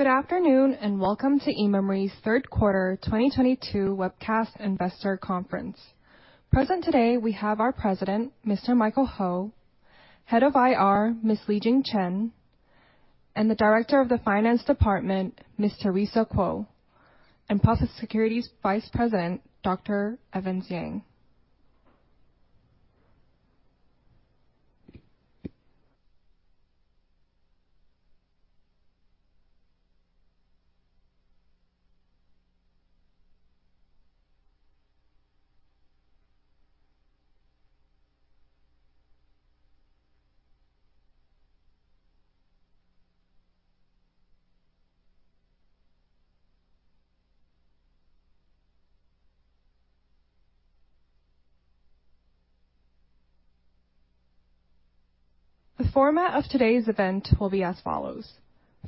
Good afternoon, and welcome to eMemory's third quarter 2022 webcast investor conference. Present today we have our president, Mr. Michael Ho, Head of IR, Miss Li-Jeng Chen, and the Director of the Finance Department, Miss Teresa Kuo, and PUFsecurity Executive Vice President, Dr. Evans Yang. The format of today's event will be as follows.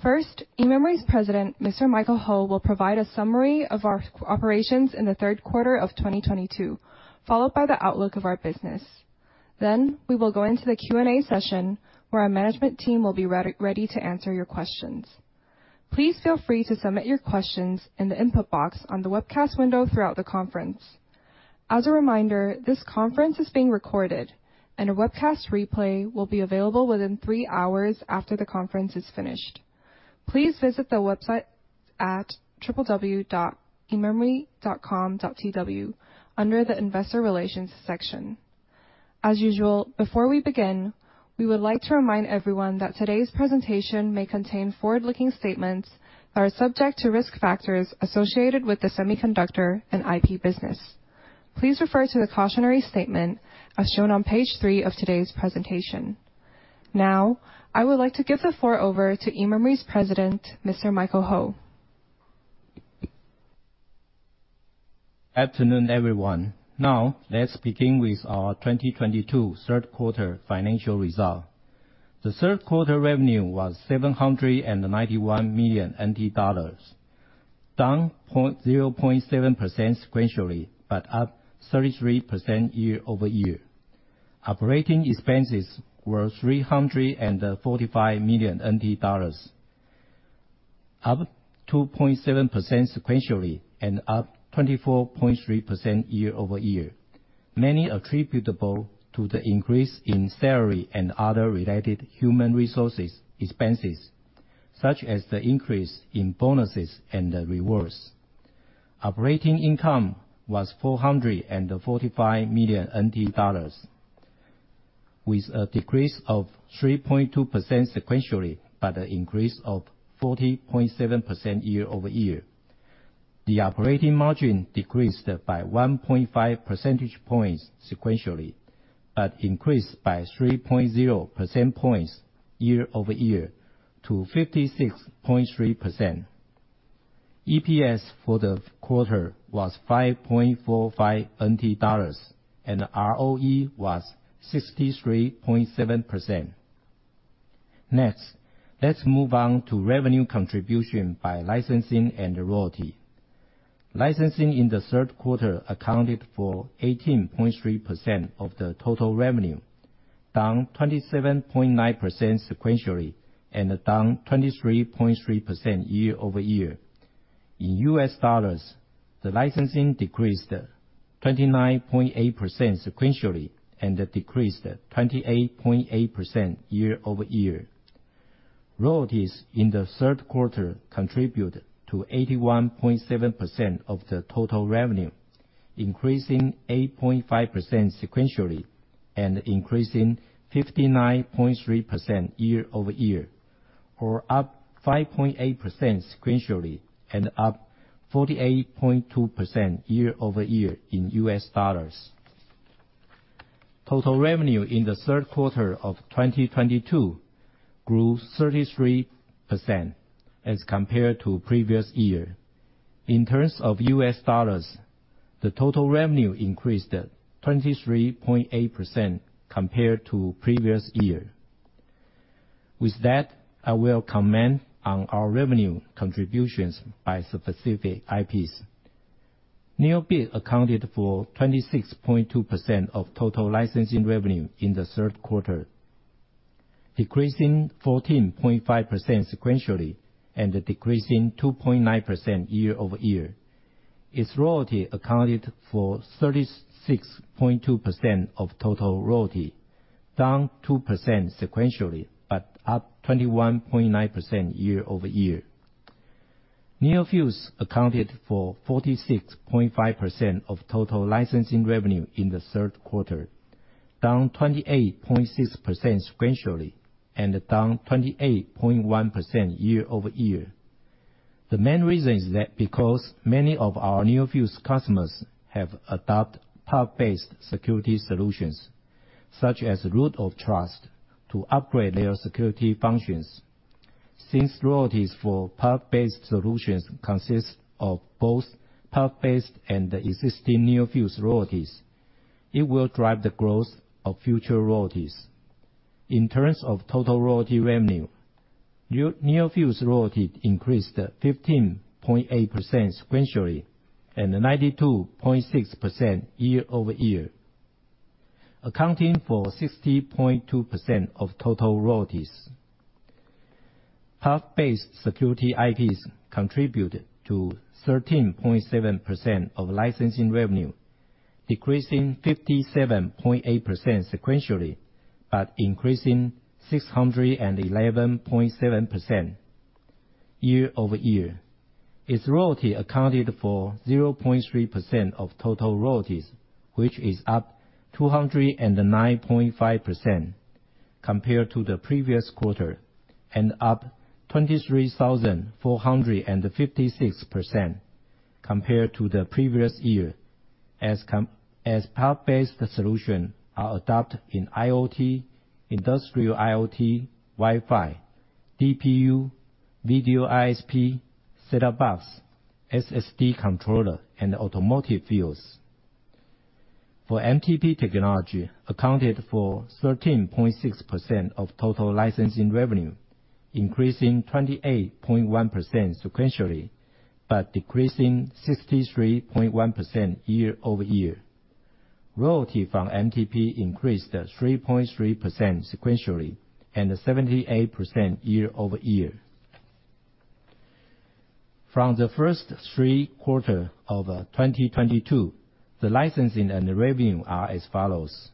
First, eMemory's president, Mr. Michael Ho, will provide a summary of our operations in the third quarter of 2022, followed by the outlook of our business. We will go into the Q&A session where our management team will be ready to answer your questions. Please feel free to submit your questions in the input box on the webcast window throughout the conference. As a reminder, this conference is being recorded and a webcast replay will be available within three hours after the conference is finished. Please visit the website at www.ememory.com.tw under the Investor Relations section. As usual, before we begin, we would like to remind everyone that today's presentation may contain forward-looking statements that are subject to risk factors associated with the semiconductor and IP business. Please refer to the cautionary statement as shown on page three of today's presentation. Now, I would like to give the floor over to eMemory's President, Mr. Michael Ho. Afternoon, everyone. Now, let's begin with our 2022 third quarter financial result. The third quarter revenue was 791 million NT dollars, down 0.7% sequentially, but up 33% year-over-year. Operating expenses were TWD 345 million, up 2.7% sequentially and up 24.3% year-over-year, mainly attributable to the increase in salary and other related human resources expenses, such as the increase in bonuses and the rewards. Operating income was 445 million NT dollars, with a decrease of 3.2% sequentially, but an increase of 40.7% year-over-year. The operating margin decreased by 1.5 percentage points sequentially, but increased by 3.0 percentage points year-over-year to 56.3%. EPS for the quarter was 5.45 NT dollars and ROE was 63.7%. Next, let's move on to revenue contribution by licensing and royalty. Licensing in the third quarter accounted for 18.3% of the total revenue, down 27.9% sequentially and down 23.3% year-over-year. In US dollars, the licensing decreased 29.8% sequentially and decreased 28.8% year-over-year. Royalties in the third quarter contribute to 81.7% of the total revenue, increasing 8.5% sequentially and increasing 59.3% year-over-year. Or up 5.8% sequentially and up 48.2% year-over-year in U.S. dollars. Total revenue in the third quarter of 2022 grew 33% as compared to previous year. In terms of U.S. dollars, the total revenue increased 23.8% compared to previous year. With that, I will comment on our revenue contributions by specific IPs. NeoBit accounted for 26.2% of total licensing revenue in the third quarter, decreasing 14.5% sequentially and decreasing 2.9% year-over-year. Its royalty accounted for 36.2% of total royalty, down 2% sequentially, but up 21.9% year-over-year. NeoFuse accounted for 46.5% of total licensing revenue in the third quarter, down 28.6% sequentially and down 28.1% year-over-year. The main reason is that because many of our NeoFuse customers have adopt PUF-based Security Solutions, such as Root of Trust, to upgrade their security functions. Since royalties for PUF-based Solutions consist of both PUF-based and existing NeoFuse royalties, it will drive the growth of future royalties. In terms of total royalty revenue, NeoFuse royalty increased 15.8% sequentially and 92.6% year-over-year. Accounting for 60.2% of total royalties. PUF-based Security IPs contribute to 13.7% of licensing revenue, decreasing 57.8% sequentially, but increasing 611.7% year-over-year. Its royalty accounted for 0.3% of total royalties, which is up 209.5% compared to the previous quarter and up 23,456% compared to the previous year. As PUF-based Solutions are adopted in IoT, industrial IoT, Wi-Fi, DPU, video ISP, set-top box, SSD controller, and automotive fields. For MTP technology accounted for 13.6% of total licensing revenue, increasing 28.1% sequentially, but decreasing 63.1% year-over-year. Royalty from MTP increased 3.3% sequentially and 78% year-over-year. From the first three quarters of 2022, the licensing and the revenue are as follows.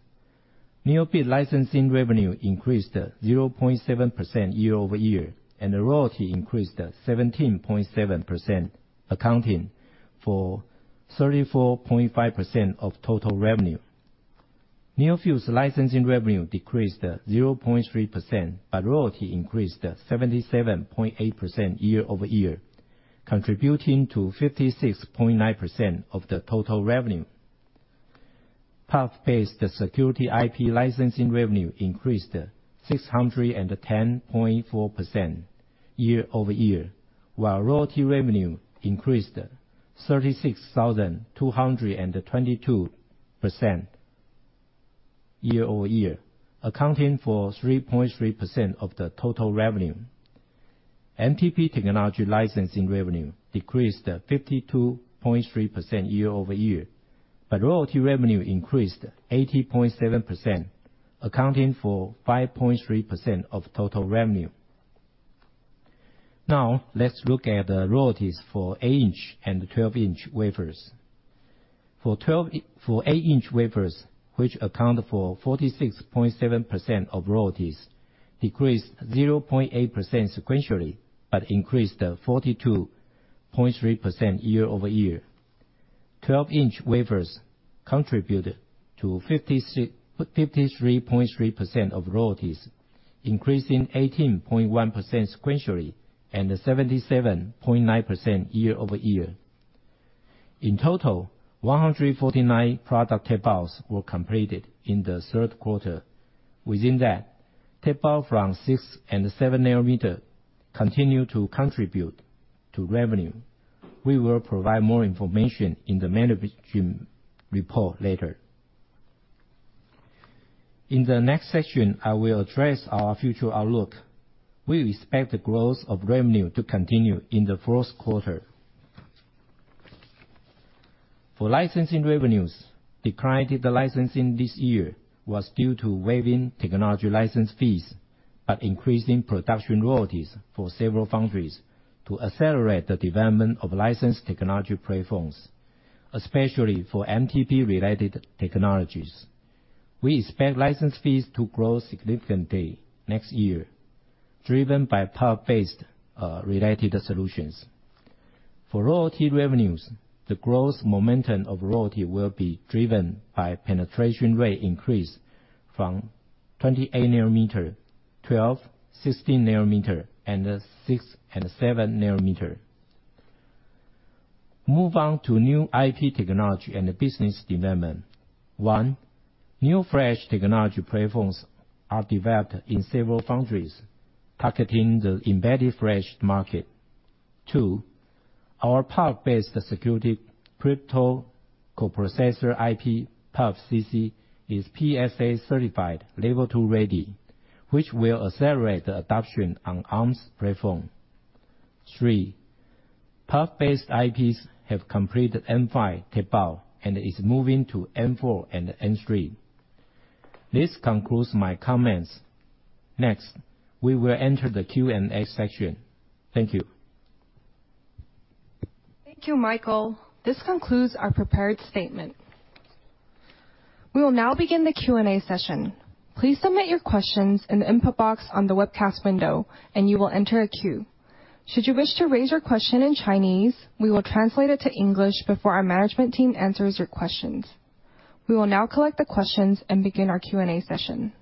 NeoBit licensing revenue increased 0.7% year-over-year, and the royalty increased 17.7%, accounting for 34.5% of total revenue. NeoFuse licensing revenue decreased 0.3%, but royalty increased 77.8% year-over-year, contributing to 56.9% of the total revenue. PUF-based Security IP licensing revenue increased 610.4% year-over-year, while royalty revenue increased 36,222% year-over-year, accounting for 3.3% of the total revenue. MTP technology licensing revenue decreased 52.3% year-over-year, but royalty revenue increased 80.7%, accounting for 5.3% of total revenue. Now, let's look at the royalties for 8-in wafers and 12-in wafers. For 8-in wafers, which account for 46.7% of royalties, decreased 0.8% sequentially, but increased 42.3% year-over-year. 12-in wafers contributed to 53.3% of royalties, increasing 18.1% sequentially and 77.9% year-over-year. In total, 149 product tape-outs were completed in the third quarter. Within that, tape-out from 6-nm and 7-nm continue to contribute to revenue. We will provide more information in the management report later. In the next section, I will address our future outlook. We expect the growth of revenue to continue in the first quarter. For licensing revenues, decline in the licensing this year was due to waiving technology license fees, but increasing production royalties for several foundries to accelerate the development of licensed technology platforms, especially for MTP-related technologies. We expect license fees to grow significantly next year, driven by PUF-based related Solutions. For royalty revenues, the growth momentum of royalty will be driven by penetration rate increase from 28-nm, 12-nm, 16-nm, and 6-nm and 7-nm. Move on to new IP technology and business development. One, NeoFlash technology platforms are developed in several foundries, targeting the embedded flash market. Two, our PUF-based Security crypto coprocessor IP, PUFcc, is PSA-certified Level 2 ready, which will accelerate the adoption on Arm's platform. Three, PUF-based IPs have completed N5 tape-out and is moving to N4 and N3. This concludes my comments. Next, we will enter the Q&A section. Thank you. Thank you, Michael. This concludes our prepared statement. We will now begin the Q&A session. Please submit your questions in the input box on the webcast window and you will enter a queue. Should you wish to raise your question in Chinese, we will translate it to English before our management team answers your questions. We will now collect the questions and begin our Q&A session.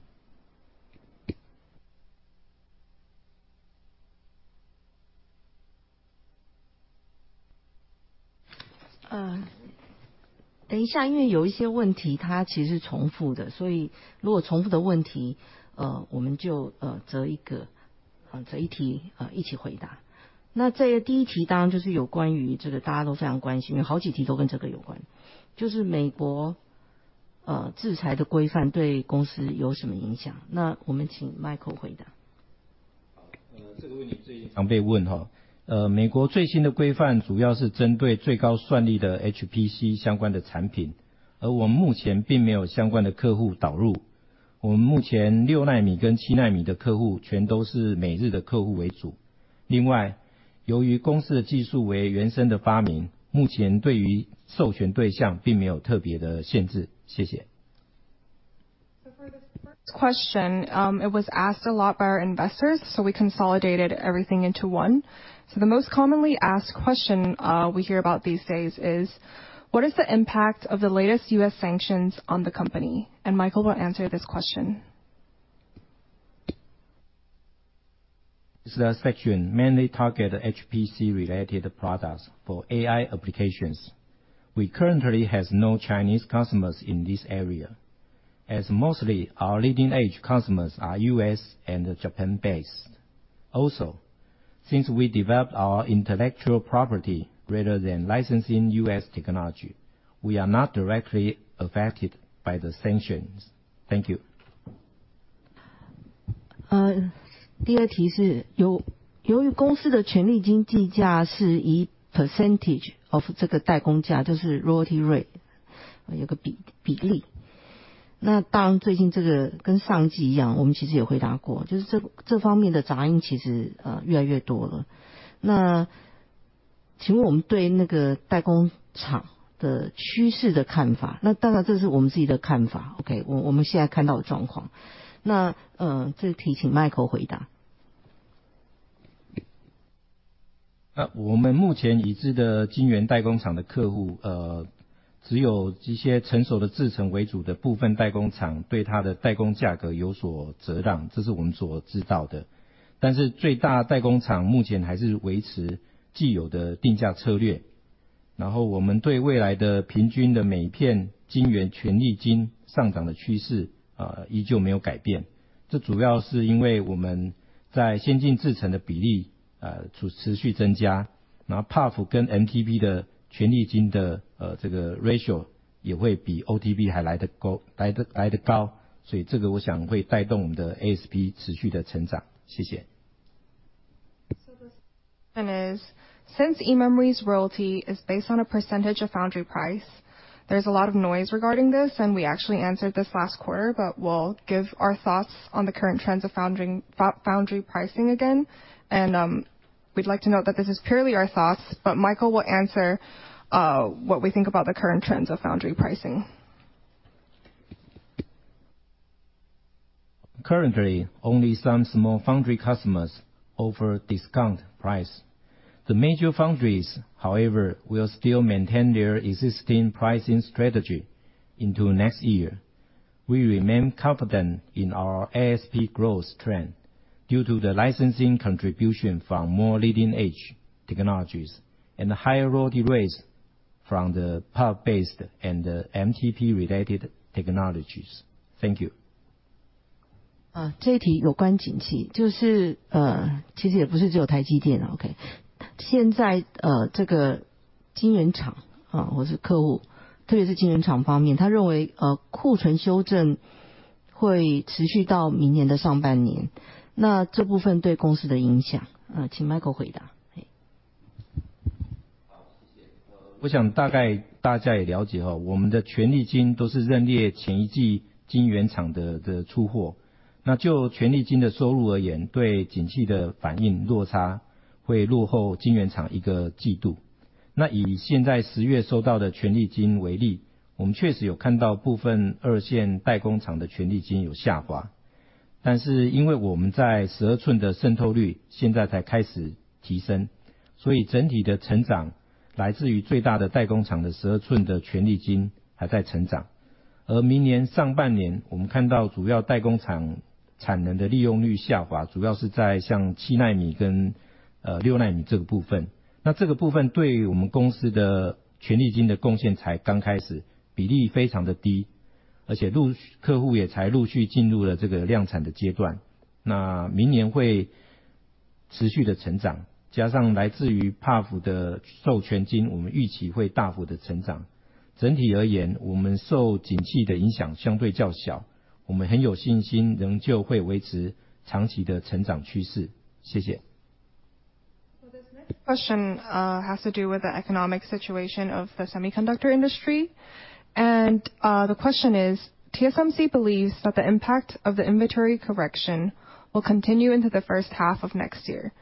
Question, it was asked a lot by our investors, so we consolidated everything into one. The most commonly asked question we hear about these days is what is the impact of the latest U.S. sanctions on the company? Michael will answer this question. The section mainly targets the HPC related products for AI applications. We currently have no Chinese customers in this area as mostly our leading edge customers are U.S. and Japan based. Also, since we developed our intellectual property rather than licensing U.S. technology, we are not directly affected by the sanctions. Thank you. 第二题是，由于公司的权利金计价是以 percentage of 这个代工价，就是 royalty rate，有一个比例。那当最近这个跟上季一样，我们其实也回答过，就是这方面的杂音其实越来越多了。那请问我们对那个代工厂的趋势的看法，那当然这是我们自己的看法。我们现在看到的状况。那这题请 Michael 回答。ratio 也会比 OTP 还来得高，所以这个我想会带动我们的 ASP 持续的成长。谢谢。Question is since eMemory's royalty is based on a percentage of foundry price. There's a lot of noise regarding this, and we actually answered this last quarter. We'll give our thoughts on the current trends of foundry pricing again. We'd like to note that this is purely our thoughts, but Michael will answer what we think about the current trends of foundry pricing? Currently, only some small foundry customers offer discount price. The major foundries, however, will still maintain their existing pricing strategy into next year. We remain confident in our ASP growth trend due to the licensing contribution from more leading edge technologies and higher royalty rates from the PUF-based and MTP-related technologies. Thank you. 这一题有关景气，其实也不是只有台积电，OK，现在这个晶圆厂，或是客户，特别是晶圆厂方面，他认为库存修正会持续到明年的上半年，那这部分对公司的影响，请 Michael 回答。This next question has to do with the economic situation of the semiconductor industry. The question is TSMC believes that the impact of the inventory correction will continue into the first half of next year.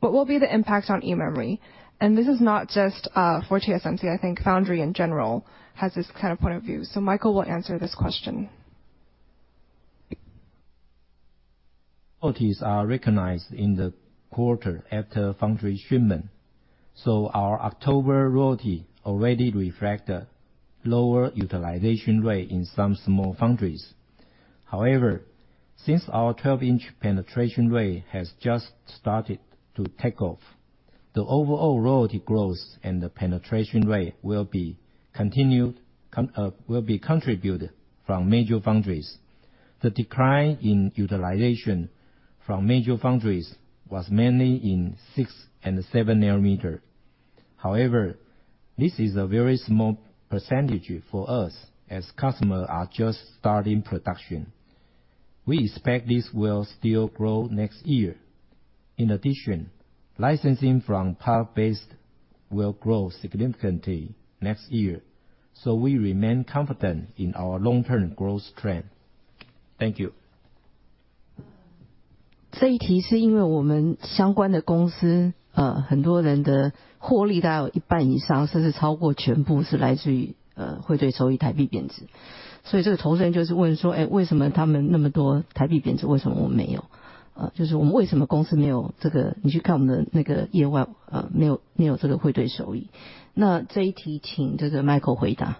What will be the impact on eMemory? This is not just for TSMC. I think foundry in general has this kind of point of view, so Michael will answer this question. Royalties are recognized in the quarter after foundry shipment, so our October royalty already reflect the lower utilization rate in some small foundries. However, since our 12-in penetration rate has just started to take off, the overall royalty growth and the penetration rate will be contributed from major foundries. The decline in utilization from major foundries was mainly in six and seven nanometer. However, this is a very small percentage for us as customers are just starting production. We expect this will still grow next year. In addition, licensing from PUF-based will grow significantly next year, so we remain confident in our long-term growth trend. Thank you. 这一题是因为我们相关的公司，很多人的获利大概有一半以上，甚至超过全部是来自于汇兑收益台币贬值。所以这个投资人就是问说，为什么他们那么多台币贬值，为什么我们没有，就是我们为什么公司没有这个，你去看我们的那个业外，没有这个汇兑收益，那这一题请 Michael 回答。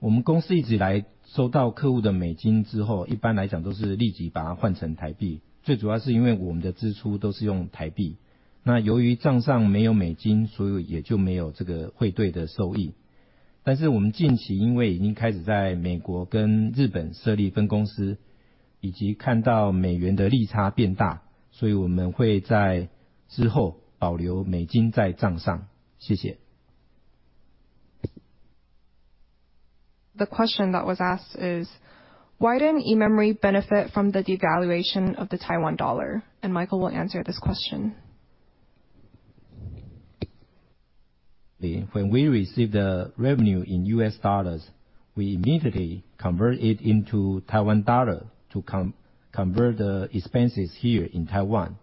我们公司一直来收到客户的美金之后，一般来讲都是立即把它换成台币，最主要是因为我们的支出都是用台币。由于账上没有美金，所以也就没有这个汇兑的收益。但是我们近期因为已经开始在美国跟日本设立分公司，以及看到美元的利差变大，所以我们会在之后保留美金在账上。谢谢。The question that was asked is: Why didn't eMemory benefit from the devaluation of the Taiwan dollar? Michael will answer this question. When we receive the revenue in U.S. dollars, we immediately convert it into Taiwan dollars to convert the expenses here in Taiwan.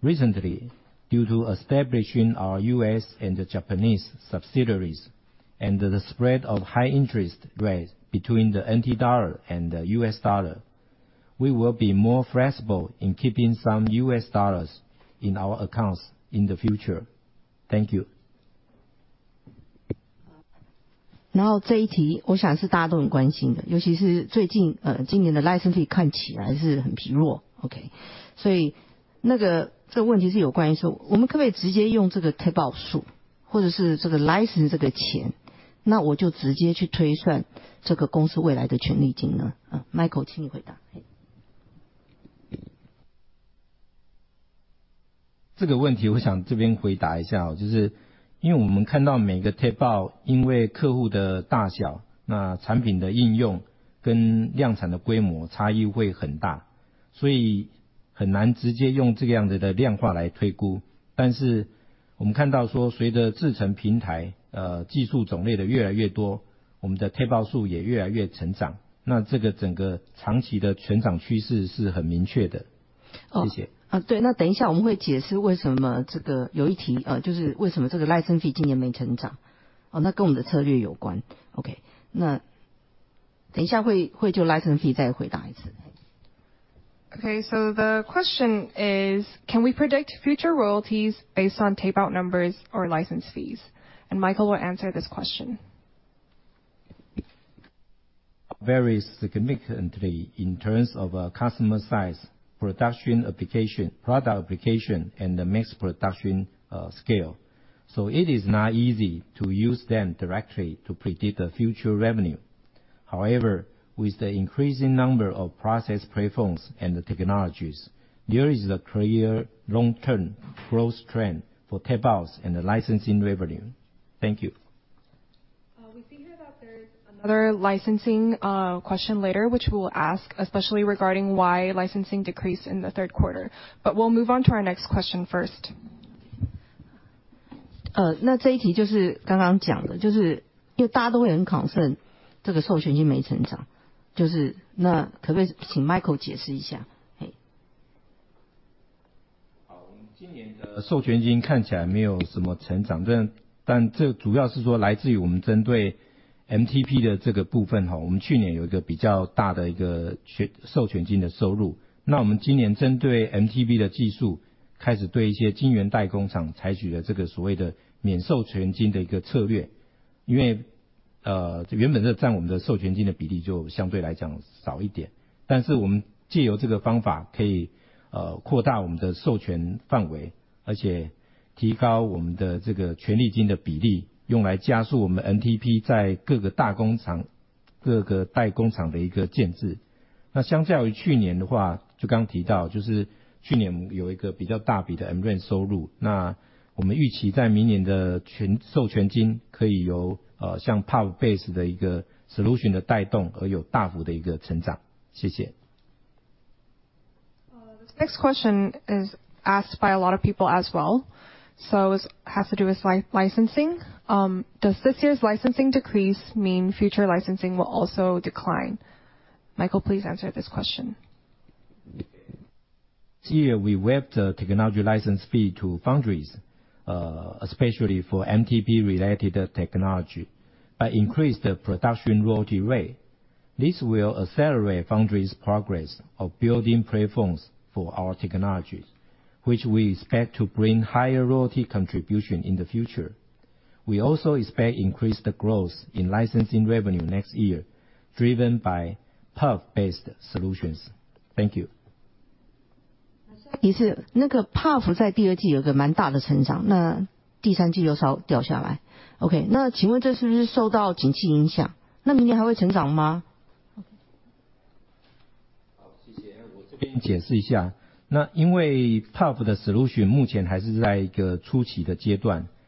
Recently, due to establishing our U.S. and the Japanese subsidiaries and the spread of high interest rates between the N.T. dollar and U.S. Dollar, we will be more flexible in keeping some U.S. dollars in our accounts in the future. Thank you. 然后这一题我想是大家都很关心的，尤其是最近，今年的 license fee 看起来是很疲弱。所以这个问题是有关，我们可不可以直接用这个 tape out 数，或者是这个 license 这个钱，那我就直接去推算这个公司未来的权利金呢？Michael，请你回答。这个问题我想这边回答一下，就是因为我们看到每个tape out，因为客户的大小，那产品的应用跟量产的规模差异会很大，所以很难直接用这样的量化来推估。但是我们看到说，随着制程平台、技术种类的越来越多，我们的tape out数也越来越成长，那这个整个长期的成长趋势是很明确的。谢谢。对，那等一下我们会解释为什么这个，有一题，就是为什么这个 license fee 今年没成长，那跟我们的策略有关。OK，那等一下会就 license fee 再回答一次。The question is: Can we predict future royalties based on tape out numbers or license fees? Michael will answer this question. Varies significantly in terms of customer size, production application, product application and the mass production scale. It is not easy to use them directly to predict the future revenue. However, with the increasing number of process platforms and the technologies, there is a clear long-term growth trend for tape outs and the licensing revenue. Thank you. We figured out there is another licensing question later, which we'll ask, especially regarding why licensing decreased in the third quarter. We'll move on to our next question first. 这一题就是刚刚讲的，就是因为大家都会很 concern，这个授权金没成长，那可不可以请 Michael 解释一下。This next question is asked by a lot of people as well. It has to do with licensing. Does this year's licensing decrease mean future licensing will also decline? Michael, please answer this question. We waived the technology license fee to foundries, especially for MTP-related technology, but increased the production royalty rate. This will accelerate foundries' progress of building platforms for our technologies, which we expect to bring higher royalty contribution in the future. We also expect increased growth in licensing revenue next year, driven by PUF-based Solutions. Thank you. PUF 在第二季有個蠻大的成長，那第三季就稍掉下來。請問這是不是受到景氣影響？那明年還會成長嗎？ 好，谢谢。我这边解释一下，因为PUF的solution目前还是在一个初期的阶段，授权金的入账跟客户的take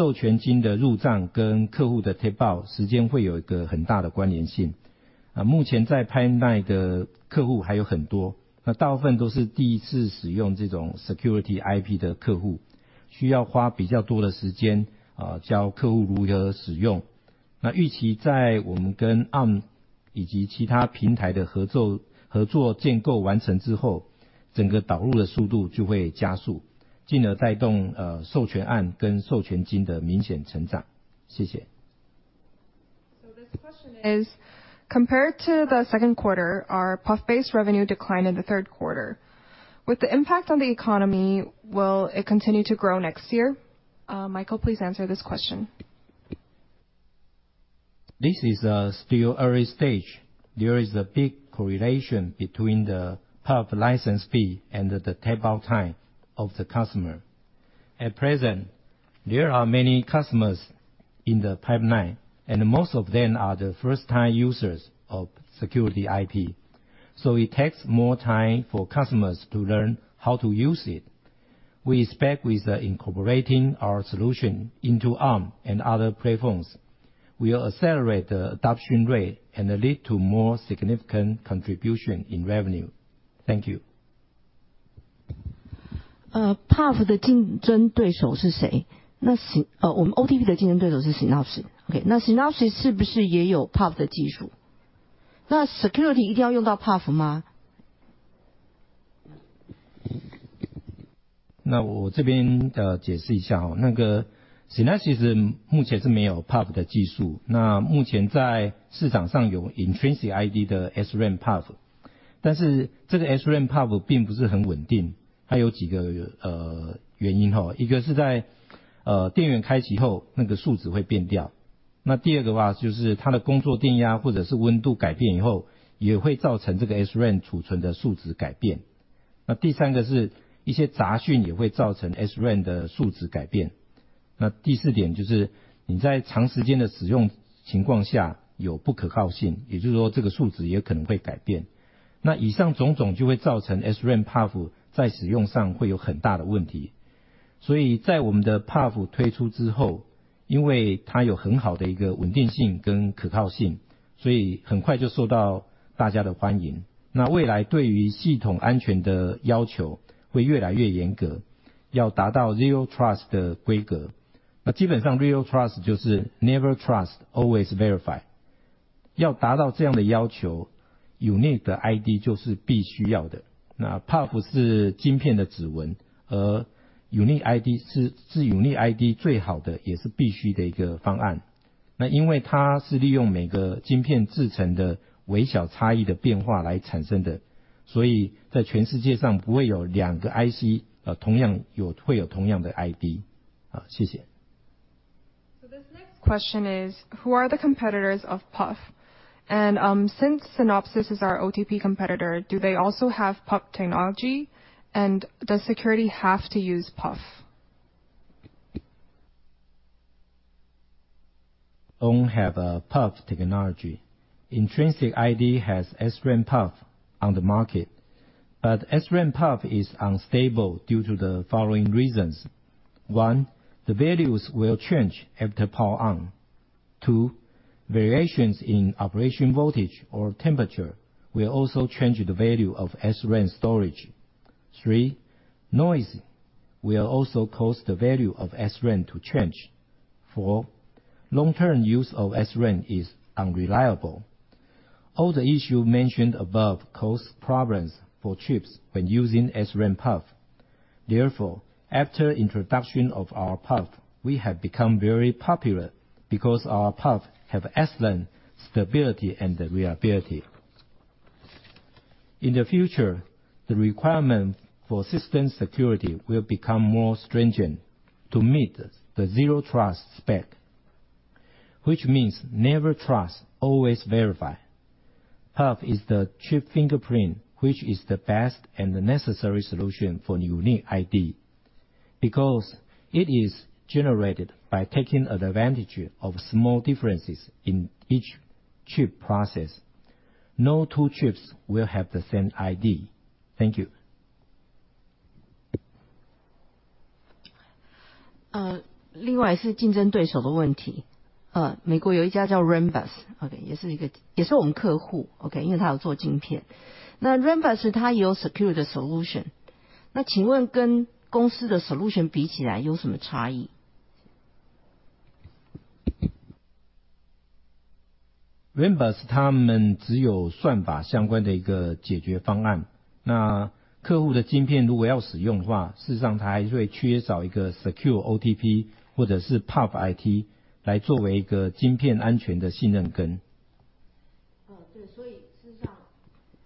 out时间会有一个很大的关联性。目前在pipeline的客户还有很多，大部分都是第一次使用这种security IP的客户，需要花比较多的时间教客户如何使用。那预期在我们跟Arm以及其他平台的合作，合作建构完成之后，整个导入的速度就会加速，进而带动授权案跟授权金的明显成长。谢谢。This question is: compared to the second quarter, our PUF-based revenue declined in the third quarter. With the impact on the economy, will it continue to grow next year? Michael, please answer this question. This is still early stage. There is a big correlation between the PUF license fee and the tape-out time of the customer. At present, there are many customers in the pipeline, and most of them are the first-time users of security IP, so it takes more time for customers to learn how to use it. We expect with incorporating our solution into Arm and other platforms, we will accelerate the adoption rate and lead to more significant contribution in revenue. Thank you. PUF 的竞争对手是谁？我们 OTP 的竞争对手是 Synopsys。Synopsys 是不是也有 PUF 的技术？Security 一定要用到 PUF 吗？ 我这边解释一下。那个Synopsys目前是没有PUF的技术，那目前在市场上有Intrinsic ID的SRAM PUF，但是这个SRAM PUF在使用上会有很大的问题。所以在我们的PUF推出之后，因为它有很好的稳定性跟可靠性，所以很快就受到大家的欢迎。那未来对于系统安全的要求会越来越严格，要达到Zero Trust的规格。那基本上Zero Trust就是never trust, always verify。要达到这样的要求，unique的ID就是必须要的。那PUF是晶片的指纹，而unique ID是unique ID最好的也是必须的一个方案。那因为它是利用每个晶片制程的微小差异的变化来产生的，所以在全世界上不会有两个IC会有同样的ID。This next question is who are the competitors of PUF? And since Synopsys is our OTP competitor, do they also have PUF technology? And does security have to use PUF? Don't have a PUF technology. Intrinsic ID has SRAM PUF on the market, but SRAM PUF is unstable due to the following reasons. One, the values will change after power on. Two, variations in operation voltage or temperature will also change the value of SRAM storage. Three, noise will also cause the value of SRAM to change. Four, long term use of SRAM is unreliable. All the issues mentioned above cause problems for chips when using SRAM PUF. Therefore, after introduction of our PUF, we have become very popular because our PUF have excellent stability and reliability. In the future, the requirement for system security will become more stringent to meet the Zero Trust spec, which means never trust, always verify. PUF is the chip fingerprint, which is the best and the necessary solution for unique ID. Because it is generated by taking advantage of small differences in each chip process, no two chips will have the same ID. Thank you. 另外是竞争对手的问题。美国有一家叫Rambus，OK，也是我们客户，OK，因为它有做晶片。那Rambus它也有secure的solution，那请问跟公司的solution比起来有什么差异？ Rambus 他们只有算法相关的一个解决方案，那客户的晶片如果要使用的话，事实上它还是会缺少一个 Secure OTP 或者是 PUF IP 来作为一个晶片安全的信任根。对，所以事实上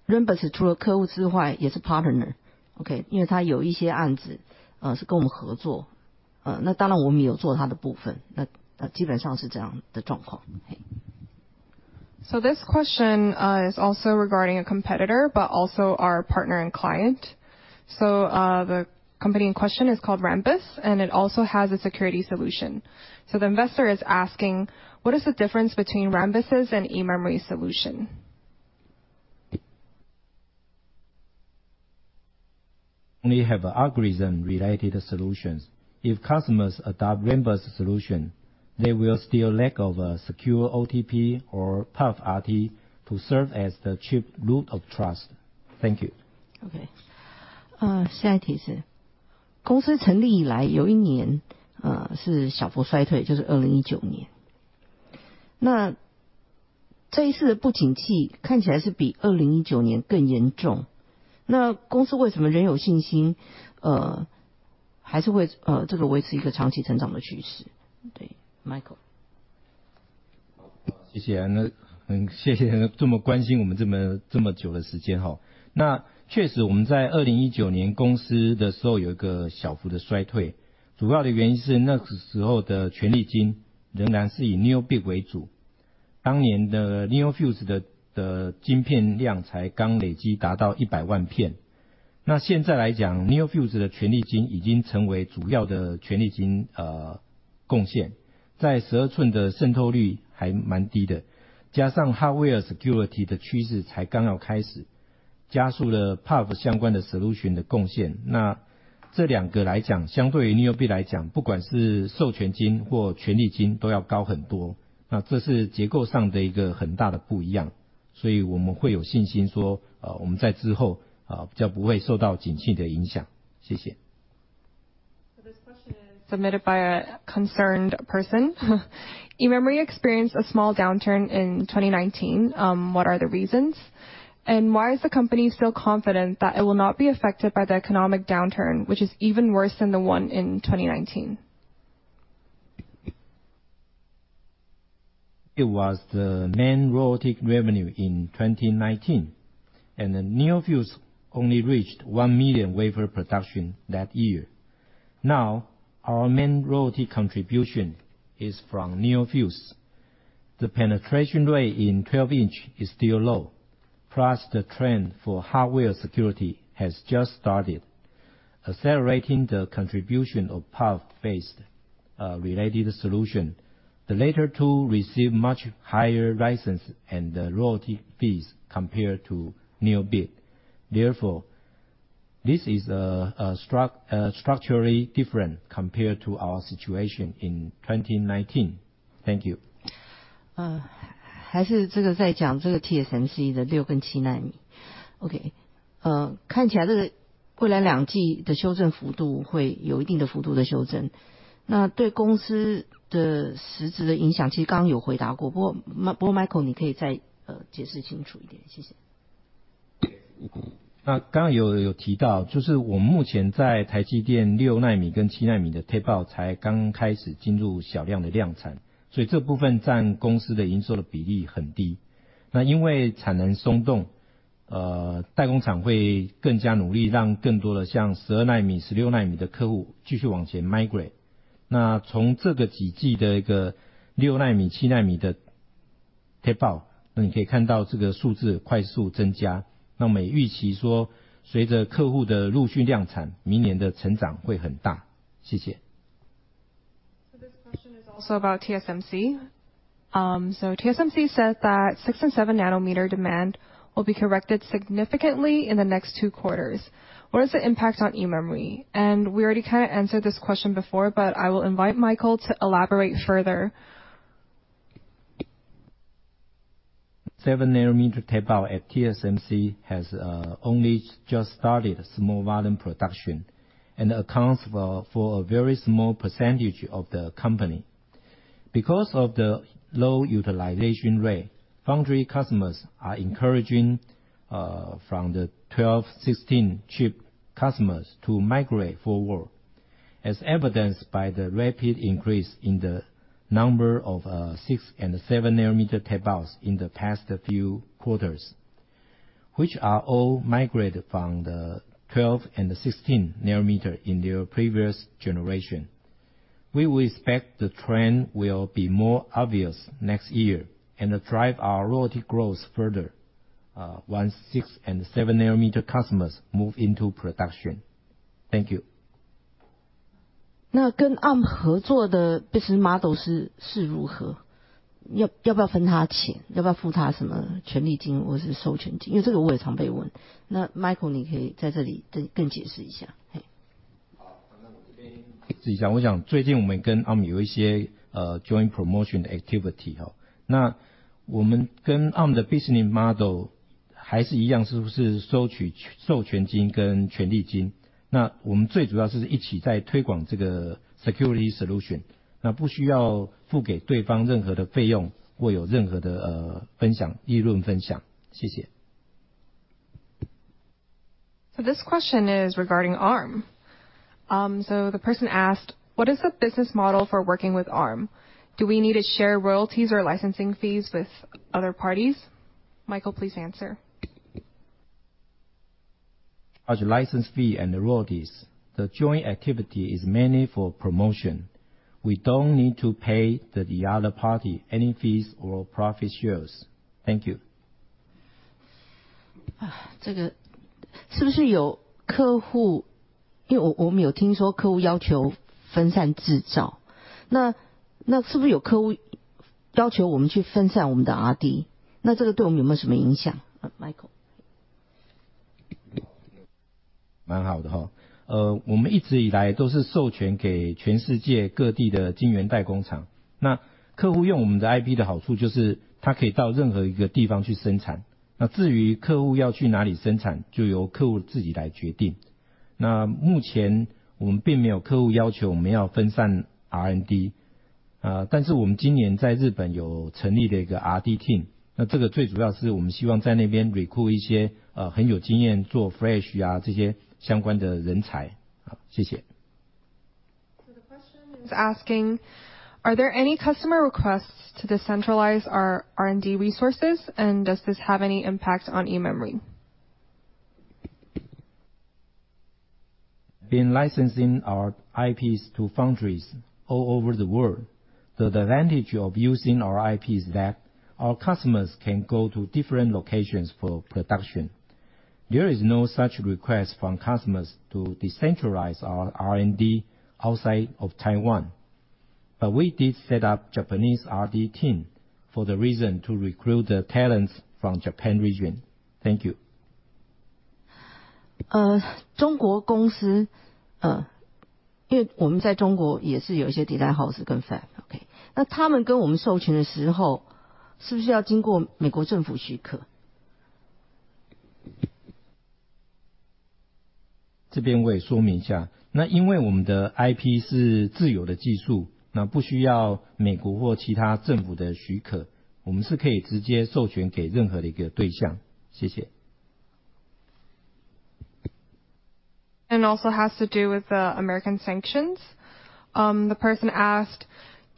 Rambus 除了客户之外，也是 partner。因为它有一些案子，是跟我们合作，那当然我们也有做它的部分，那基本上是这样的状况。This question is also regarding a competitor, but also our partner and client. The company in question is called Rambus, and it also has a security solution. The investor is asking: What is the difference between Rambus' and eMemory solution? We have algorithm-related solutions. If customers adopt Rambus solution, they will still lack of a secure OTP or PUFrt to serve as the chip Root of Trust. Thank you. 下一题是，公司成立以来，有一年是小幅衰退，就是2019年。那这一次的不景气看起来是比2019年更严重，那公司为什么仍有信心，还是会维持一个长期成长的趋势？对，Michael。security的趋势才刚要开始，加速了PUF相关的solution的贡献。那这两个来讲，相对于NeoBit来讲，不管是授权金或权利金都要高很多，那这是结构上的一个很大的不一样，所以我们会有信心说，我们在之后，比较不会受到景气的影响。谢谢。This question is submitted by a concerned person. eMemory experienced a small downturn in 2019. What are the reasons? Why is the company still confident that it will not be affected by the economic downturn, which is even worse than the one in 2019? It was the main royalty revenue in 2019, and the NeoFuse only reached 1 million wafer production that year. Now, our main royalty contribution is from NeoFuse. The penetration rate in 12-in is still low, plus the trend for hardware security has just started, accelerating the contribution of PUF-based related solution. The latter two receive much higher license and royalty fees compared to NeoBit. Therefore, this is structurally different compared to our situation in 2019. Thank you. 还是这个在讲这个TSMC的六跟七奈米。看起来这个未来两季的修正幅度会有一定的幅度的修正，那对公司的实质的影响，其实刚刚有回答过，不过Michael你可以再解释清楚一点。谢谢。刚刚有提到，就是我们目前在台积电六奈米跟七奈米的 tape out 才刚开始进入小量的量产，所以这部分占公司的营收的比例很低。因为产能松动，代工厂会更加努力，让更多的像十二奈米、十六奈米的客户继续往前 migrate。从这个几季的六奈米、七奈米的 tape out，你可以看到这个数字快速增加，我们也预期说随着客户的陆续量产，明年的成长会很大。谢谢。This question is also about TSMC. TSMC says that 6-nm and 7-nm demand will be corrected significantly in the next two quarters. What is the impact on eMemory? We already kind of answered this question before, but I will invite Michael to elaborate further. 7-nm tape out at TSMC has only just started small volume production, and accounts for a very small percentage of the company. Because of the low utilization rate, foundry customers are encouraging the 12-nm and 16-nm chip customers to migrate forward, as evidenced by the rapid increase in the number of 6-nm and 7-nm tape outs in the past few quarters, which are all migrated from the 12-nm and 16-nm in their previous generation. We will expect the trend will be more obvious next year and drive our royalty growth further once 6-nm and 7-nm customers move into production. Thank you. 那跟 Arm 合作的 business model 是如何？要不要分他钱？要不要付他什么权利金或是授权金？因为这个我也常被问。那 Michael 你可以在这里更解释一下，嘿。好，那我这边解释一下，我想最近我们跟Arm有一些joint promotion activity吼，那我们跟Arm的business model还是一样，是不是收取授权金跟权利金，那我们最主要是一起在推广这个security solution，那不需要付给对方任何的费用，或有任何的利润分享。谢谢。This question is regarding Arm. The person asked. What is the business model for working with Arm? Do we need to share royalties or licensing fees with other parties? Michael, please answer. As license fee and royalties, the joint activity is mainly for promotion. We don't need to pay the other party any fees or profit shares. Thank you. 这是不是有客户，因为我们有听说客户要求分散制造，那是不是有客户要求我们去分散我们的R&D，那这个对我们有没有什么影响？Michael。蛮好的哦。我们一直以来都是授权给全世界各地的晶圆代工厂，那客户用我们的IP的好处就是他可以到任何一个地方去生产。那至于客户要去哪里生产，就由客户自己来决定。那目前我们并没有客户要求我们要分散R&D，但是我们今年在日本有成立了一个R&D team，那这个最主要是我们希望在那边recruit一些很有经验、做flash啊这些相关的人才。好，谢谢。The question is asking, "Are there any customer requests to decentralize our R&D resources, and does this have any impact on eMemory? Been licensing our IPs to foundries all over the world. The advantage of using our IP is that our customers can go to different locations for production. There is no such request from customers to decentralize our R&D outside of Taiwan. We did set up Japanese R&D team for the reason to recruit the talents from Japan region. Thank you. 中国公司，因为我们在中国也是有一些 design house 跟 fab，那他们跟我们授权的时候，是不是要经过美国政府许可？ 这边我也说明一下，那因为我们的IP是自主的技术，那不需要美国或其他政府的许可，我们是可以直接授权给任何的一个对象。谢谢。Also has to do with the American sanctions. The person asked,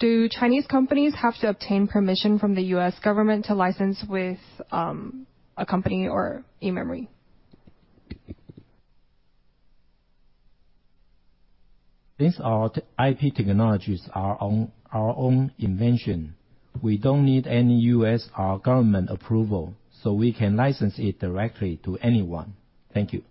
"Do Chinese companies have to obtain permission from the U.S. government to license with a company or eMemory? These IP technologies are of our own invention. We don't need any U.S. or government approval, so we can license it directly to anyone. Thank you.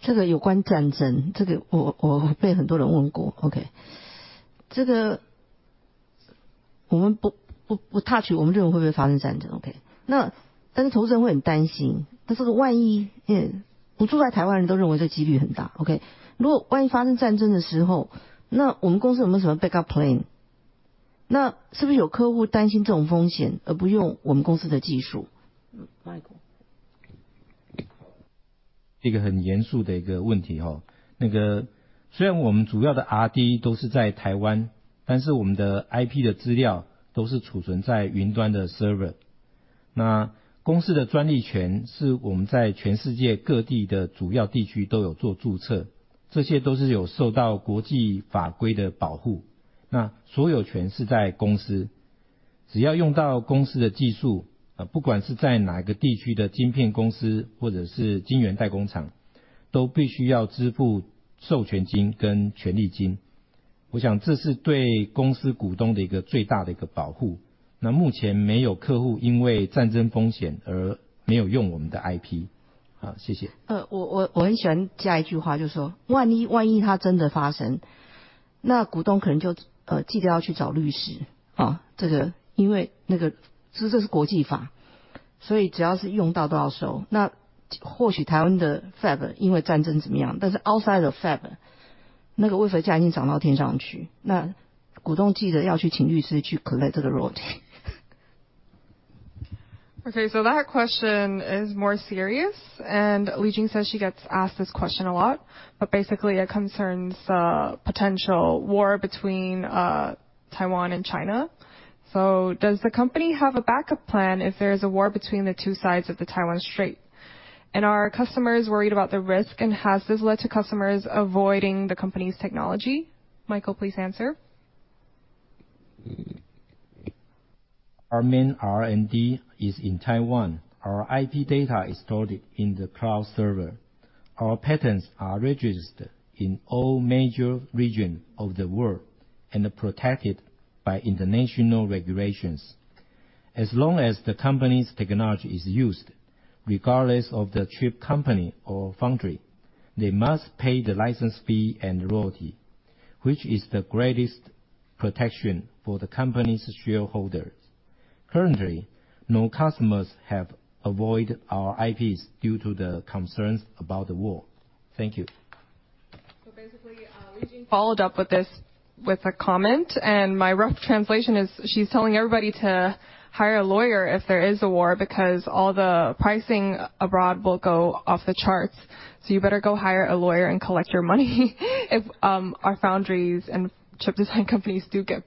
这个有关战争，这个我被很多人问过，OK。我们不touch我们认为会不会发生战争，OK。但是投资人会很担心，这个万一，也不住在台湾的人都认为这机率很大，OK。如果万一发生战争的时候，那我们公司有没有什么backup plan？那是不是有客户担心这种风险而不用我们公司的技术？Michael。这是一个很严肃的问题。虽然我们主要的R&D都是在台湾，但是我们的IP的资料都是储存在云端的server，公司的专利权是我们在全世界各地的主要地区都有做注册，这些都是有受到国际法规的保护，所有权是在公司。只要用到公司的技术，不管是在哪个地区的晶片公司，或者是晶圆代工厂，都必须要支付授权金跟权利金。我想这是对公司股东的一个最大的保护。目前没有客户因为战争风险而没有用我们的IP。谢谢。我很喜欢加一句话，就是说万一，万一它真的发生，那股东可能就，记得要去找律师，这个，因为那个这是国际法，所以只要是用到都要收。那或许台湾的 fab 因为战争怎么样，但是 outside of fab 那个 wafer 价已经涨到天上去，那股东记得要去请律师去 collect 这个 royalty。Okay, that question is more serious, and Li-Jeng Chen says she gets asked this question a lot, but basically it concerns the potential war between Taiwan and China. Does the company have a backup plan if there is a war between the two sides of the Taiwan Strait? And are customers worried about the risk, and has this led to customers avoiding the company's technology? Michael, please answer. Our main R&D is in Taiwan. Our IP data is stored in the cloud server. Our patents are registered in all major regions of the world and protected by international regulations. As long as the company's technology is used, regardless of the chip company or foundry, they must pay the license fee and royalty, which is the greatest protection for the company's shareholders. Currently, no customers have avoided our IPs due to the concerns about the war. Thank you. Basically, Li-Jeng Chen followed up with this with a comment, and my rough translation is she's telling everybody to hire a lawyer if there is a war, because all the pricing abroad will go off the charts. You better go hire a lawyer and collect your money if our foundries and chip design companies do get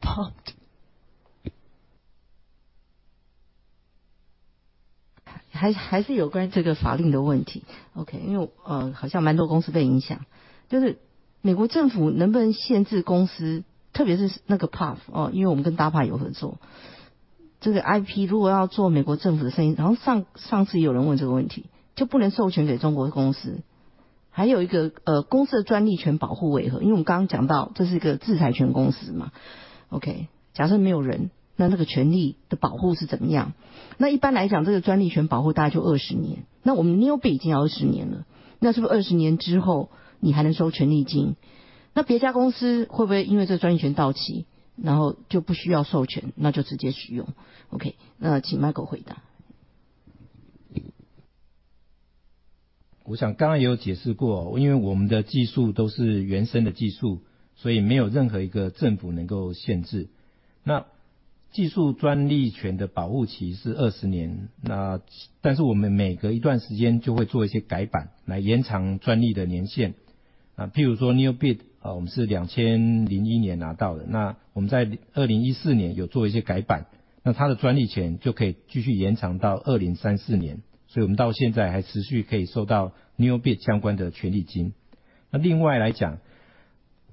bombed. 还是有关于这个法令的问题。因为好像蛮多公司被影响，就是美国政府能不能限制公司，特别是那个PUF，因为我们跟DARPA有合作，这个IP如果要做美国政府的生意，上次也有人问这个问题，就不能授权给中国的公司。还有一个，公司的专利权保护为何？因为我们刚刚讲到，这是一个制裁权公司嘛，假设没有人，那这个权利的保护是怎么样？那一般来讲，这个专利权保护大概就20年，那我们NeoBit已经20年了，那是不是20年之后你还能收权利金？那别家公司会不会因为这个专利权到期，然后就不需要授权，那就直接使用。那请Michael回答。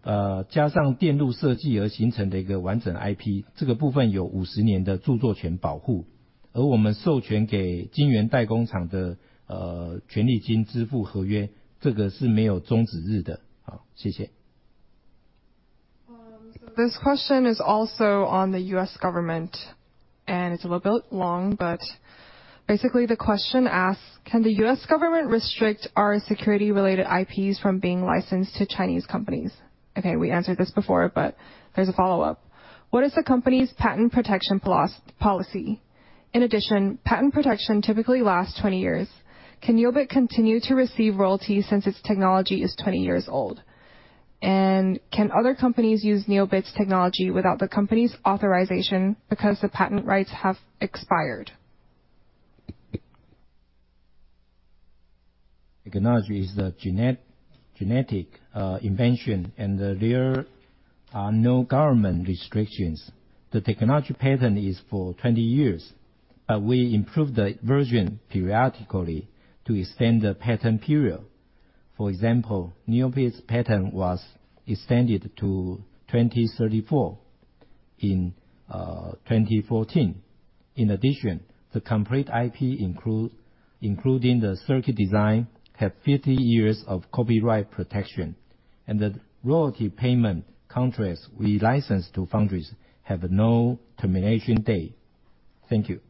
This question is also on the U.S. government, and it's a little bit long. Basically, the question asks: Can the U.S. government restrict our security related IPs from being licensed to Chinese companies? Okay, we answered this before, but there's a follow-up. What is the company's patent protection philosophy? In addition, patent protection typically lasts 20 years. Can NeoBit continue to receive royalties since its technology is 20 years old? And can other companies use NeoBit's technology without the company's authorization because the patent rights have expired? Technology is the genetic invention, and there are no government restrictions. The technology patent is for 20 years. We improve the version periodically to extend the patent period. For example, NeoBit's patent was extended to 2034 in 2014. In addition, the complete IP including the circuit design have 50 years of copyright protection. The royalty payment contracts we licensed to foundries have no termination date. Thank you.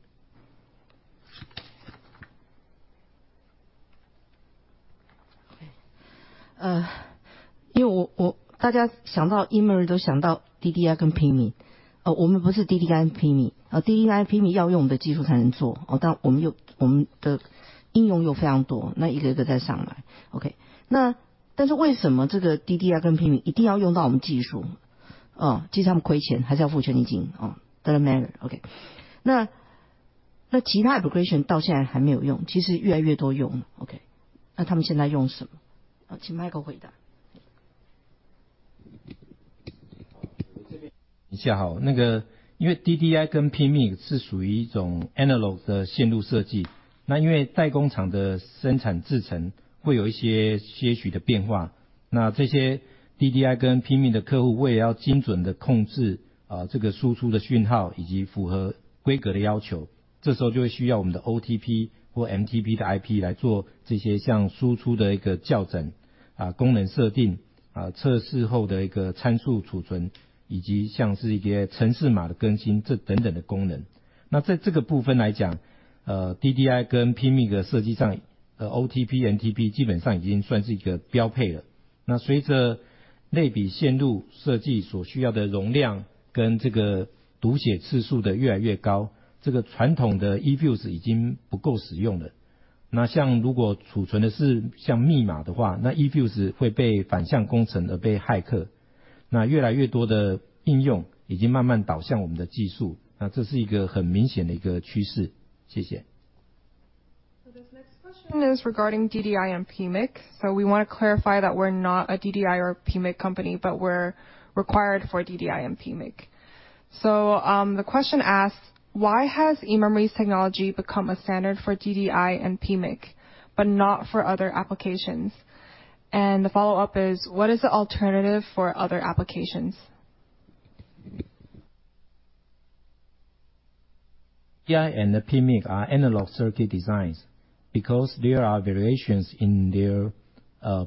大家想到 eMemory，都想到 DDI 跟 PMIC。我们不是 DDI 跟 PMIC，DDI 跟 PMIC 要用的技术才能做，但我们有——我们的应用又非常多，那一个一个再上来，OK。那为什么这个 DDI 跟 PMIC 一定要用到我们技术？即使他们亏钱，还是要付权利金。doesn't matter，OK。那其他 application 到现在还没有用，其实越来越多用，OK，那他们现在用什么？请 Michael 回答。因为 DDI 跟 PMIC 是属于一种 analog 的线路设计，那因为代工厂的生产制程会有些许的变化，那这些 DDI 跟 PMIC 的客户为了要精准地控制这个输出的讯号，以及符合规格的要求，这时候就会需要我们的 OTP 或 MTP 的 IP 来做这些像输出的一个校正、功能设定、测试后的一个参数储存，以及像是一些程式码的更新等等的功能。那在这个部分来讲，DDI 跟 PMIC 设计上，OTP、MTP 基本上已经算是一个标配了。那随着类比线路设计所需要的容量，跟这个读写次数的越来越高，这个传统的 eFuse 已经不够使用了。那像如果储存的是像密码的话，那 eFuse 会被反向工程而被骇客。那越来越多的应用已经慢慢导向我们的技术，那这是一个很明显的一个趋势。谢谢。This next question is regarding DDI and PMIC, so we want to clarify that we're not a DDI or PMIC company, but we're required for DDI and PMIC. The question asks: Why has eMemory's technology become a standard for DDI and PMIC but not for other applications? And the follow-up is: What is the alternative for other applications? DDI and the PMIC are analog circuit designs. Because there are variations in their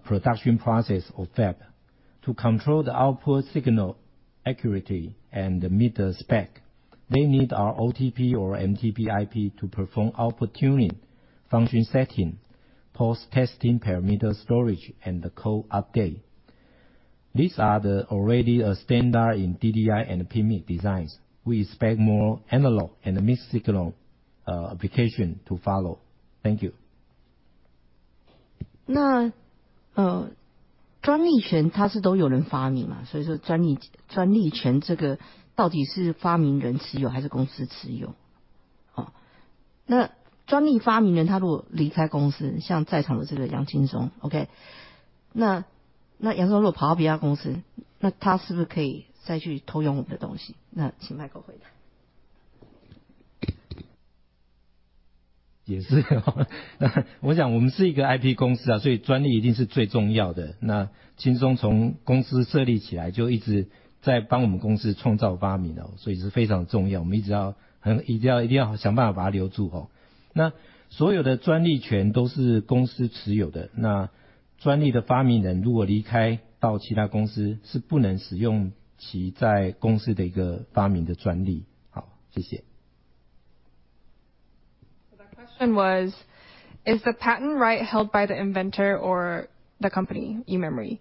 production process of fab. To control the output signal accurately and meet the spec, they need our OTP or MTP IP to perform output tuning, function setting, post-testing, parameter storage, and the code update. These are already a standard in DDI and PMIC designs. We expect more analog and mixed signal application to follow. Thank you. 专利权它是都有人发明嘛，所以说专利权这个到底是发明人持有还是公司持有？那专利发明人他如果离开公司，像在场的这个杨金松，OK，那杨金松如果跑到别人公司，那他是不是可以再去偷用我们的东西？那请 Michael 回答。也是。我想我们是一个IP公司，所以专利一定是最重要的。那轻松从公司设立起来，就一直在帮我们公司创造发明，所以这是非常重要，我们一直要，一定要，一定要想办法把它留住。那所有的专利权都是公司持有的，那专利的发明人如果离开到其他公司，是不能使用其在公司的一个发明的专利。好，谢谢。The question was, is the patent right held by the inventor or the company, eMemory?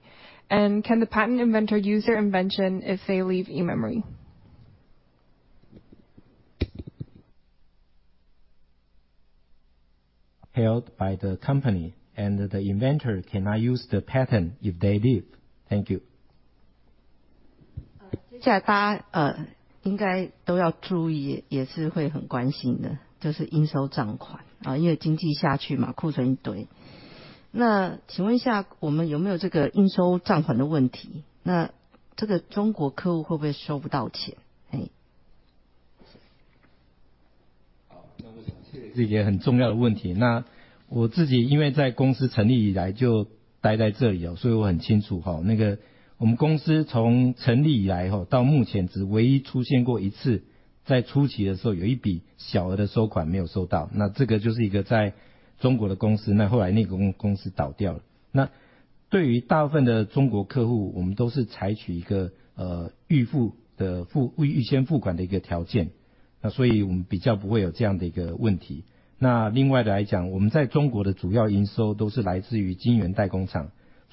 Can the patent inventor use their invention if they leave eMemory? Held by the company and the inventor cannot use the patent if they leave. Thank you.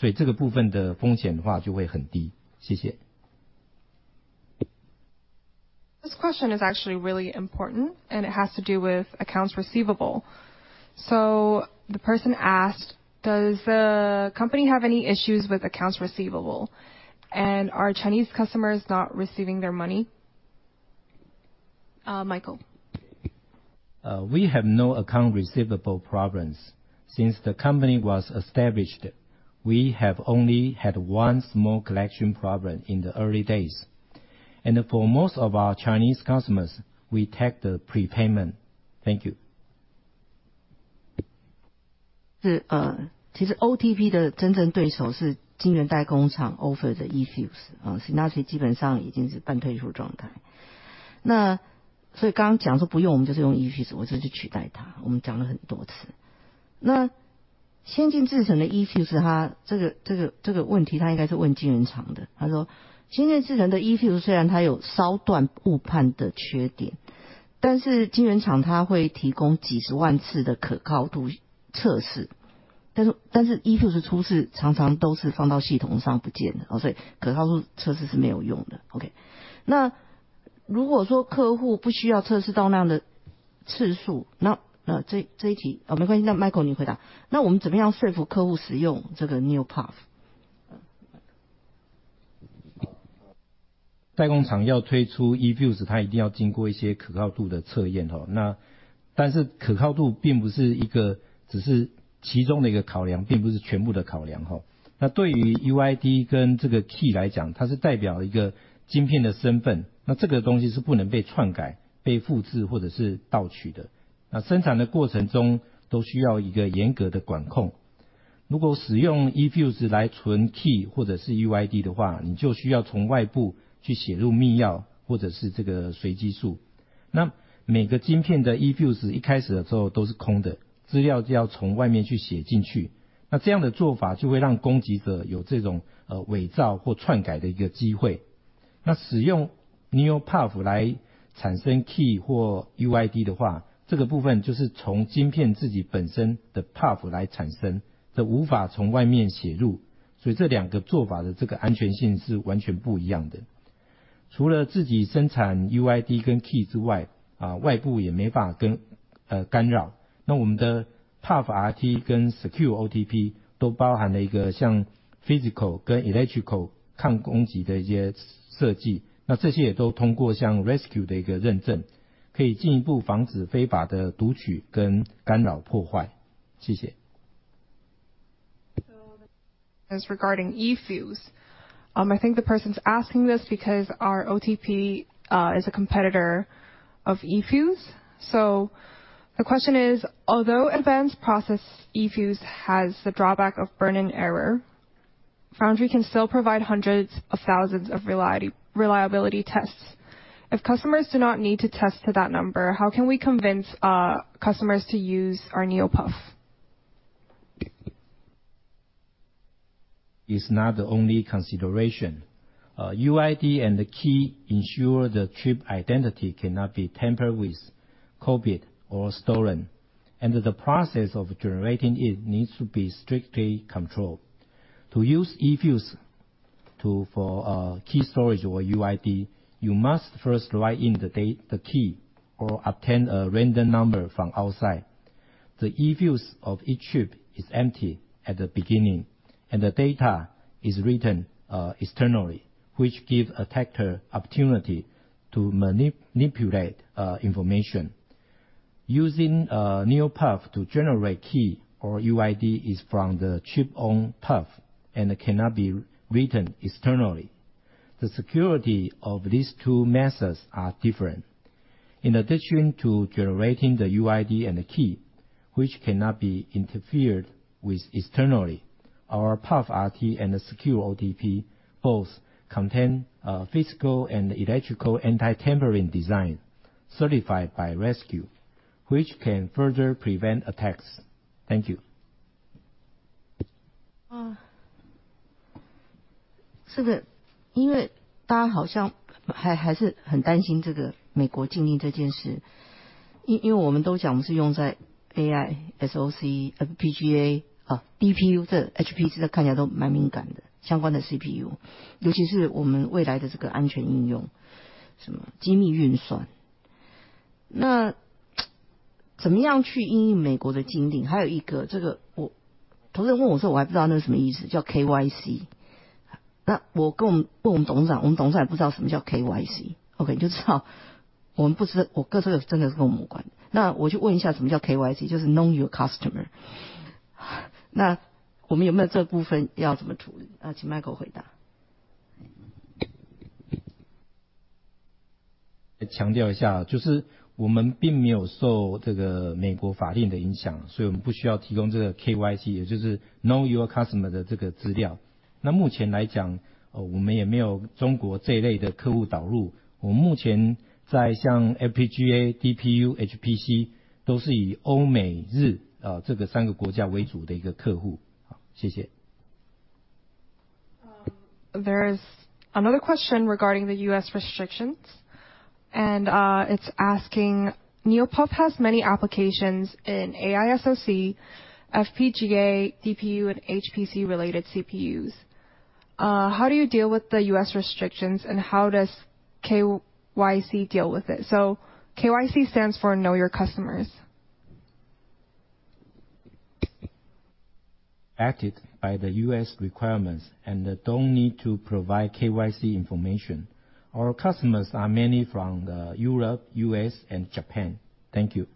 This question is actually really important, and it has to do with accounts receivable. The person asked, "Does the company have any issues with accounts receivable? And are Chinese customers not receiving their money?" Michael. We have no account receivable problems. Since the company was established, we have only had one small collection problem in the early days. For most of our Chinese customers, we take the prepayment. Thank you. OTP 的真正对手是晶圆代工厂 offer 的 eFuse，所以基本上已经是半退出状态。刚刚讲说不用，我们就是用 eFuse，我是去取代它，我们讲了很多次。先进制程的 eFuse，这个问题他应该是问晶圆厂的，他说先进制程的 eFuse 虽然它有烧断误判的缺点，但是晶圆厂它会提供几十万次的可靠度测试，但是 eFuse 出事常常都是放到系统上不见的，所以可靠度测试是没有用的。那如果说客户不需要测试到那样的次数，那这一题没关系，那 Michael 你回答，我们怎么样说服客户使用这个 NeoPUF？ This regarding eFuse. I think the person's asking this because our OTP is a competitor of eFuse. The question is, although advanced process eFuse has the drawback of burning error, foundry can still provide hundreds of thousands of reliability tests. If customers do not need to test to that number, how can we convince our customers to use our NeoPUF? Is not the only consideration. UID and the key ensure the chip identity cannot be tampered with, copied, or stolen. The process of generating it needs to be strictly controlled. To use eFuse for key storage or UID, you must first write in the key or obtain a random number from outside. The eFuse of each chip is empty at the beginning, and the data is written externally, which give attacker opportunity to manipulate information. Using NeoPUF to generate key or UID is from the chip on PUF and cannot be written externally. The security of these two methods are different. In addition to generating the UID and the key, which cannot be interfered with externally, our PUFrt and Secure OTP both contain a physical and electrical anti-tampering design certified by Riscure, which can further prevent attacks. Thank you. 是的，因为大家好像还是很担心这个美国禁令这件事，因为我们都讲我们是用在AI、SOC、FPGA、DPU，这HPC看起来都蛮敏感的，相关的CPU，尤其是我们未来的这个安全应用，什么机密运算。那怎么样去因应美国的禁令？还有一个，这个我同事问我的时候，我还不知道那是什么意思，叫KYC。那我跟我们，问我们董事长，我们董事长也不知道什么叫KYC。OK，你就知道，我们不知，我个这个真的是跟我们无关。那我去问一下什么叫KYC，就是know your customer。那我们有没有这部分要怎么处理？请Michael回答。强调一下，就是我们并没有受这个美国法令的影响，所以我们不需要提供这个KYC，也就是know your customer的这个资料。那目前来讲，我们也没有中国这一类的客户导入，我们目前在像FPGA、DPU、HPC都是以欧美日这三个国家为主的一个客户。好，谢谢。There is another question regarding the U.S. restrictions, and it's asking NeoPUF has many applications in AI SoC, FPGA, DPU, and HPC related CPUs. How do you deal with the U.S. restrictions and how does KYC deal with it? KYC stands for know your customers. Affected by the U.S. requirements and don't need to provide KYC information. Our customers are mainly from Europe, U.S., and Japan. Thank you.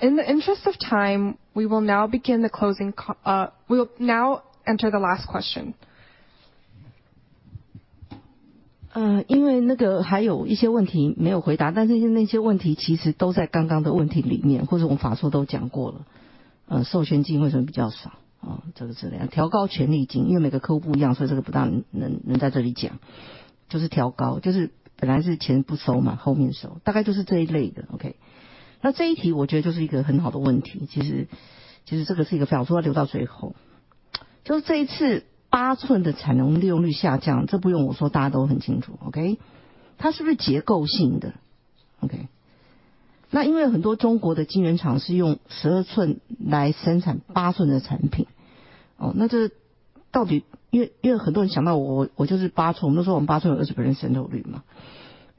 In the interest of time, we will now enter the last question. 因为那个还有一些问题没有回答，但是那些问题其实都在刚刚的问题里面，或是我们法说都讲过了。授权会比较少，这个是这样。调高权利金，因为每个客户不一样，所以这个不大能在这里讲，就是调高，就是本来是钱不收嘛，后面收，大概就是这一类的，OK。那这一题我觉得就是一个很好的问题，其实这个是一个法说要留到最后，就是这一次八寸的产能利用率下降，这不用我说，大家都很清楚，OK，它是不是结构性的？OK。那因为很多中国的晶圆厂是用十二寸来生产八寸的产品，哦，那这到底，因为很多人想到我就是八寸，我们就说我们八寸有20%的渗透率嘛，那对公司到底的影响怎样？当然我可以说用十二寸补嘛，OK。那这一题我想请Michael再来解释一下，嘿。那所谓用十二寸来生产八寸的产品，这应该是指说，有他们用十二寸的晶圆厂来生产像八寸制程的一些部分，像是点一八 micron 或点一一 micron 这个地方，那这个情况一直都有。那只是说目前主要还是以中国盖的这个新的厂为主。那对公司而言的话，这个并没有什么影响。那因为八寸产能的松动，我们向这个晶圆代工厂在推广我们的 NeoFlash 的技术，那因为 NeoFlash 并不需要额外增购设备，那相对于这些传统的 SST 的 embedded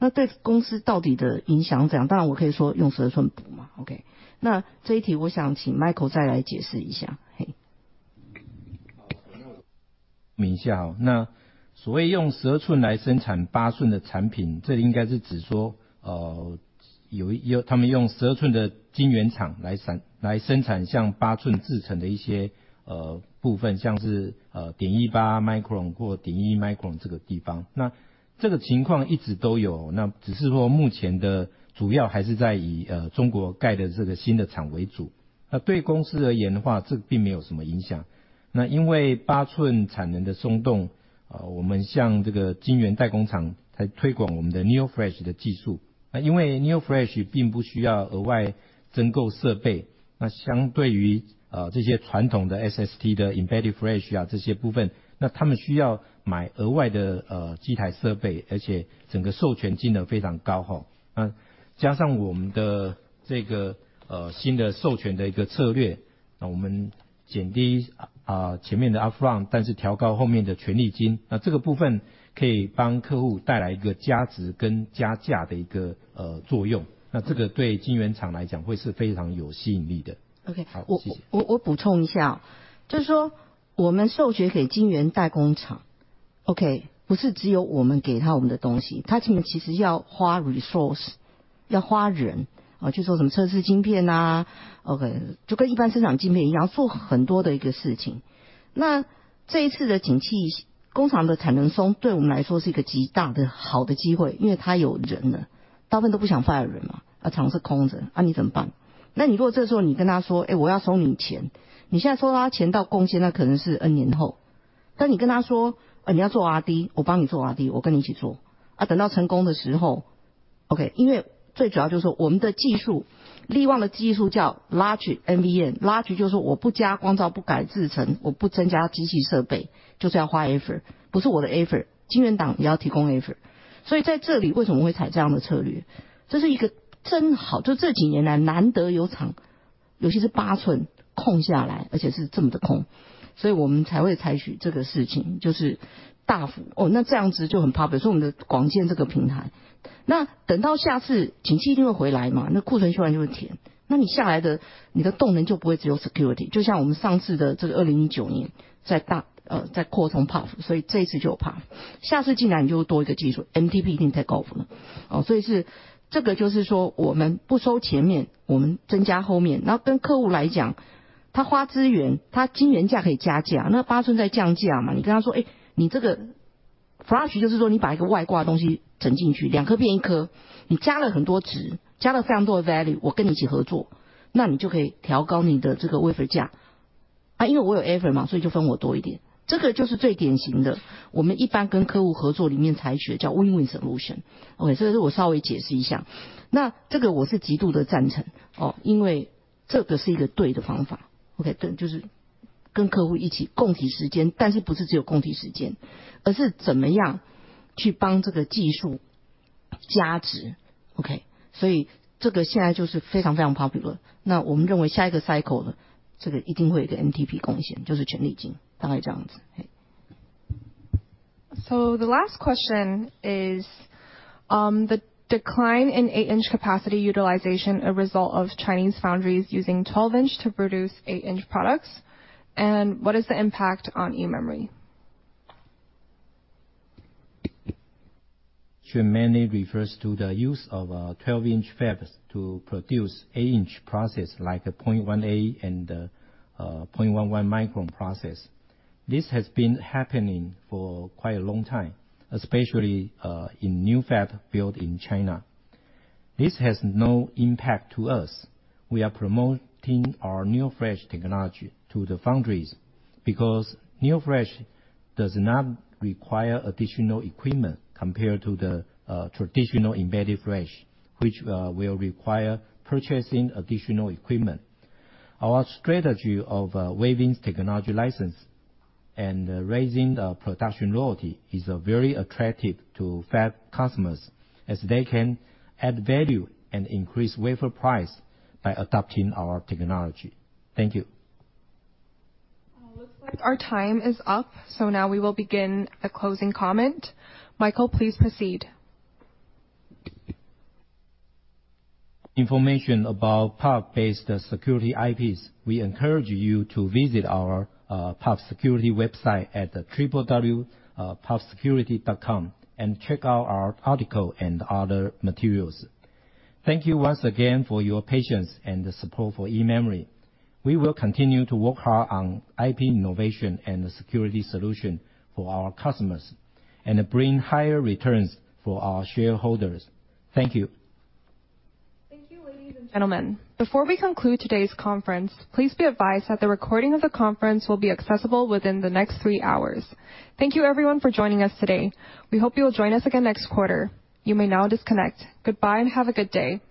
flash 这些部分，那他们需要买额外的机台设备，而且整个授权金额非常高。那加上我们的这个新的授权的一个策略，我们减低前面的 resource，要花人，去做测试晶片，就跟一般生产晶片一样，要做很多的事情。那这一次的景气，工厂的产能松对我们来说是一个极大的好的机会，因为他有人了，大部分都不想 fire 人嘛，厂是空着，你怎么办？那你如果这时候你跟他说，我要收你钱，你现在收他钱到贡献，那可能是 N 年后。但你跟他说，你要做 R&D，我帮你做 R&D，我跟你一起做。等到成功的时候，因为最主要就是说我们的技术，力旺的技术叫 Logic NVM，就是说我不加光罩，不改制程，我不增加机器设备，就是要花 effort，不是我的 effort，晶圆厂也要提供 effort。所以在这里为什么会采这样的策略？这是一个正好，就这几年来难得有厂，尤其是八寸空下来，而且是这么的空，所以我们才会采取这个事情，就是大幅... off了。所以是，这个就是说我们不收前面，我们增加后面，然后跟客户来讲，他花资源，他晶圆价可以加价，那八寸在降价嘛，你跟他说，欸，你这个Flash就是说你把一个外挂的东西沉进去，两颗变一颗，你加了很多值，加了非常多的value，我跟你一起合作，那你就可以调高你的这个wafer价，因为我有fab嘛，所以就分我多一点。这个就是最典型的，我们一般跟客户合作里面才学叫win-win solution。这个我稍微解释一下，这个我是极度的赞成，因为这个是一个对的方法。对，就是跟客户一起共提时间，但是不是只有共提时间，而是怎么样去帮这个技术加值。所以这个现在就是非常非常popular。那我们认为下一个cycle呢，这个一定会有一个MTP贡献，就是权利金，大概这样子。The last question is, the decline in 8-in capacity utilization a result of Chinese foundries using 12-in to produce 8-in products? What is the impact on eMemory? She mainly refers to the use of 12-in fabs to produce 8-in process like a 0.18 and 0.11 micron process. This has been happening for quite a long time, especially in new fabs built in China. This has no impact to us. We are promoting our NeoFlash technology to the foundries because NeoFlash does not require additional equipment compared to the traditional embedded flash, which will require purchasing additional equipment. Our strategy of waiving technology license and raising the production royalty is very attractive to fab customers as they can add value and increase wafer price by adopting our technology. Thank you. Looks like our time is up. Now we will begin a closing comment. Michael, please proceed. Information about PUF-based Security IPs. We encourage you to visit our PUF security website at www.pufsecurity.com and check out our article and other materials. Thank you once again for your patience and the support for eMemory. We will continue to work hard on IP innovation and the security solution for our customers and bring higher returns for our shareholders. Thank you. Thank you, ladies and gentlemen. Before we conclude today's conference, please be advised that the recording of the conference will be accessible within the next three hours. Thank you everyone for joining us today. We hope you will join us again next quarter. You may now disconnect. Goodbye and have a good day.